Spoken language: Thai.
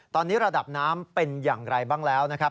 ตอนนี้ระดับน้ำเป็นอย่างไรบ้างแล้วนะครับ